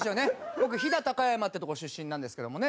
僕飛騨高山ってとこ出身なんですけどもね。